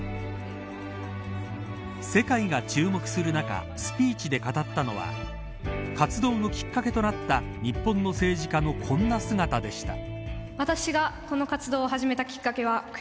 世界が注目する中スピーチで語ったのは活動のきっかけとなった日本の政治家のこんな姿でした。